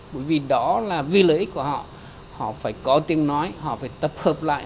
bởi vì đó là vì lợi ích của họ họ phải có tiếng nói họ phải tập hợp lại